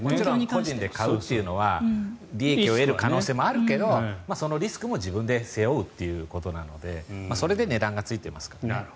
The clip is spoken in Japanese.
個人で買うというのは利益を得る可能性もあるけどそのリスクも自分で背負うということなのでそれで値段がついてますからね。